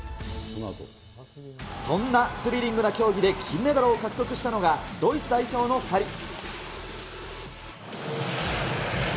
そんなスリリングな競技で、金メダルを獲得したのが、ドイツ代表の２人。